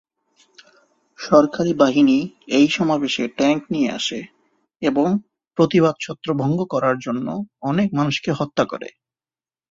সরকারী বাহিনী এই সমাবেশে ট্যাংক নিয়ে আসে এবং প্রতিবাদ ছত্রভঙ্গ করার জন্য অনেক মানুষকে হত্যা করে।